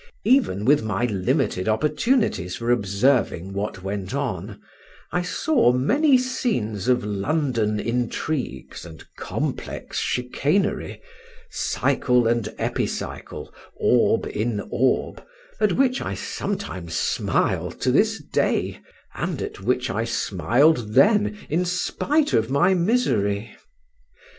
Even with my limited opportunities for observing what went on, I saw many scenes of London intrigues and complex chicanery, "cycle and epicycle, orb in orb," at which I sometimes smile to this day, and at which I smiled then, in spite of my misery.